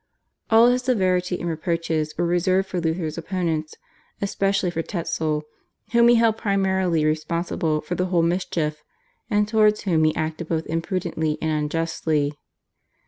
All his severity and reproaches were reserved for Luther's opponents, especially for Tetzel, whom he held primarily responsible for the whole mischief, and towards whom he acted both imprudently and unjustly.